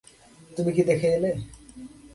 তুমি কী দেখে এলে?